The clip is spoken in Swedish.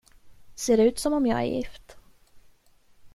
Ser det ut som om jag är gift?